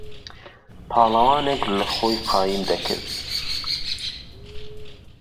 پاڵهوانێک له خۆی قایم دهکرد